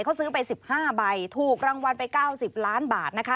เขาซื้อไป๑๕ใบถูกรางวัลไป๙๐ล้านบาทนะคะ